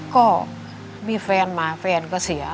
ก็มีแฟนมาแฟนก็เสีย